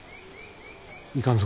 いかんぞ。